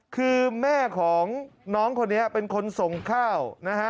คือแม่ของน้องคนนี้เป็นคนส่งข้าวนะฮะ